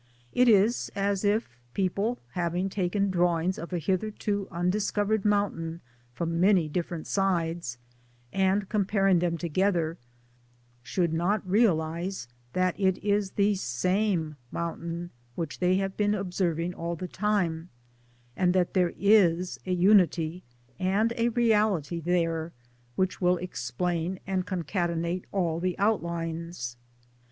It is as if people, having taken drawings of a hitherto undiscovered mountain from many different sides, and comparing them together, should not realize that it is the same mountain which they have been observing all the time, and that there is a unity and a reality there which will explain and concatenate all the outlines.